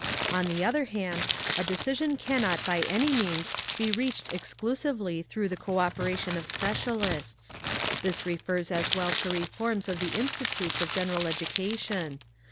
On the other hand, a decision cannot by any means be reached exclusively through the cooperation of specialists. This refers as well to reforms of the institutes of general education.